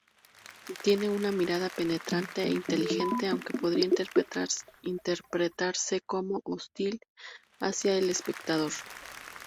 Tiene una mirada penetrante e inteligente, aunque podría interpretarse como hostil hacia el espectador.